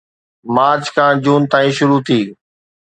march کان جون تائين شروع ٿي